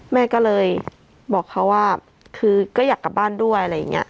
แม่ก็เลยบอกเขาว่าคือก็อยากกลับบ้านด้วยอะไรอย่างนี้